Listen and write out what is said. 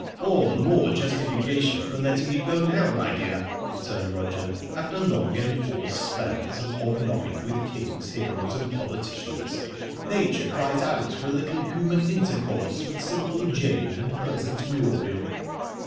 "All the more justification for letting it go now, my dear," returned Roger. "After long enforced spells of hobnobbing with kings, heroes, and politicians, nature cries out for a little human intercourse with simple Jane and pleasant Muriel."